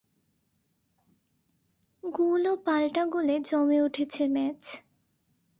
গোল ও পাল্টা গোলে জমে উঠেছে ম্যাচ।